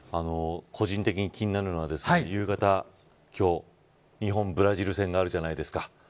個人的に気になるのは夕方、今日、日本ブラジル戦があるじゃないですか。